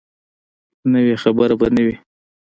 نوي خبرې به نه وي.